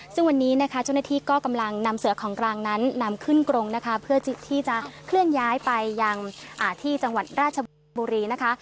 ซึ่งวันนี้นะคะเจ้าหน้าที่ก็กำลังนำเสือของกลางนั้นนำขึ้นกรงนะคะเพื่อที่จะเคลื่อนย้ายไปยังที่จังหวัดราชบุรีนะคะ